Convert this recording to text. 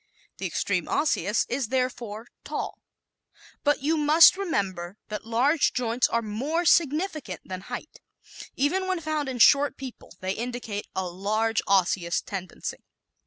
The extreme Osseous is therefore tall. But you must remember that large joints are more significant than height. Even when found in short people they indicate a large osseous tendency.